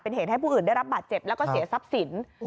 เป็นเหตุให้ผู้อื่นได้รับบาดเจ็บแล้วก็เสียทรัพย์สิน